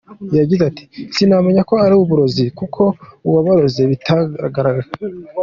Yagize ati “Sinamenya ko ari uburozi kuko uwo baroze bitagaragara’.